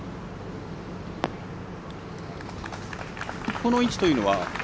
この位置というのは？